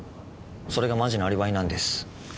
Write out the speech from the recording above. それがマジなアリバイなんです。